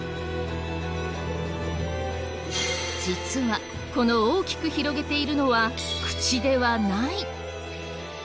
実はこの大きく広げているのは口ではない。